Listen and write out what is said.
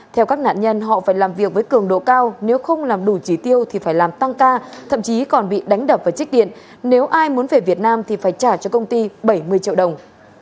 theo các nạn nhân họ phải làm việc với cường độ cao nếu không làm đủ trí tiêu thì phải làm tăng ca thậm chí còn bị đánh đập và trích điện nếu ai muốn về việt nam thì phải trả cho công ty bảy mươi triệu đồng